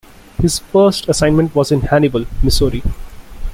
His first assignment was in Hannibal, Missouri.